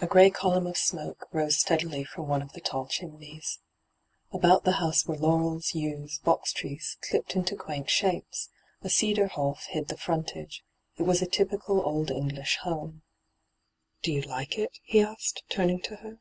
A grey oolnmn of smoke rose steadily from one of the tall chimneys. About the house were laurels, yews, box trees, clipped into quaint shapes. A cedar half hid the frontage. It was a typical old English home. ' Do you like it ?* he asked, turning to her.